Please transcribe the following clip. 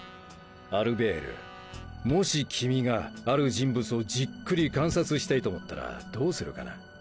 アルベールもし君がある人物をじっくり観察したいと思ったらどうするかな？